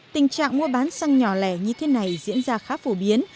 tình trạng mua bán xăng nhỏ lẻ như thế này diễn ra khá phổ biến